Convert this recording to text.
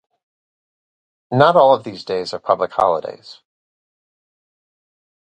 Not all of these days are public holidays.